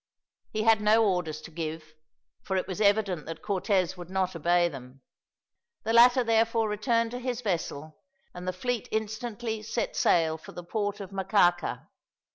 He had no orders to give, for it was evident that Cortez would not obey them. The latter therefore returned to his vessel, and the fleet instantly set sail for the port of Macaca.